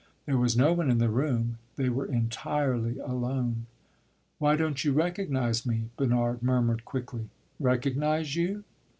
There was no one in the room; they were entirely alone. "Why don't you recognize me?" Bernard murmured quickly. "Recognize you?"